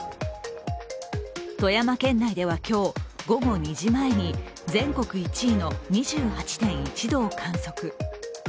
富山県内では今日、午後２時前に全国１位の２８．１度を観測。